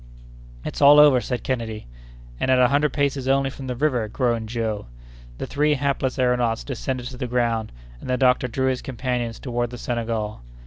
"It's all over," said Kennedy. "And at a hundred paces only from the river!" groaned Joe. The three hapless aëronauts descended to the ground, and the doctor drew his companions toward the Senegal.